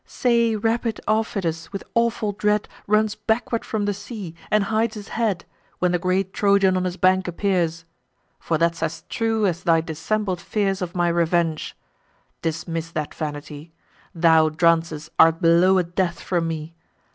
Say rapid Aufidus with awful dread Runs backward from the sea, and hides his head, When the great Trojan on his bank appears; For that's as true as thy dissembled fears Of my revenge. Dismiss that vanity: Thou, Drances, art below a death from me.